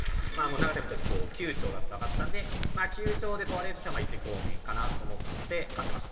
長さ見た時９兆だと分かったんでまあ９兆で問われるとしたら１光年かなと思って張ってました